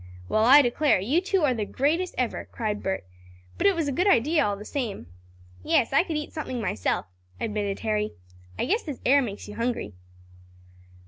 "Well, I declare; you two are the greatest ever!" cried Bert. "But it was a good idea all the same!" "Yes, I could eat something myself," admitted Harry. "I guess this air makes you hungry."